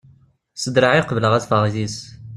S draɛ i qebleɣ ad ffɣeɣ d yid-s.